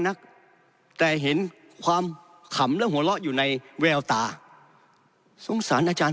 นักแต่เห็นความขำและหัวเราะอยู่ในแววตาสงสารอาจารย์